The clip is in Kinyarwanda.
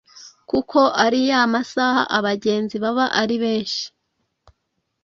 kuko ariya masaha abagenzi baba ari benshi